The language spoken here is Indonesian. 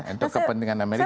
untuk kepentingan amerika